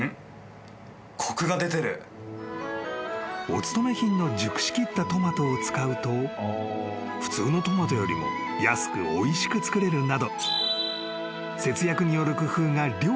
［おつとめ品の熟しきったトマトを使うと普通のトマトよりも安くおいしく作れるなど］